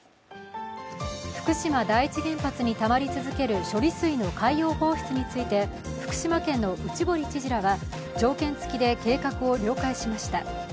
福島第一原発にたまり続ける処理水の海洋放出について福島県の内堀知事らは条件付きで計画を了解しました。